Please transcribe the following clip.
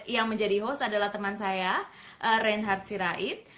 yang menjadi host adalah teman saya reinhard sirait